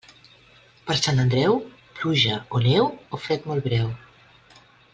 Per Sant Andreu, pluja o neu o fred molt breu.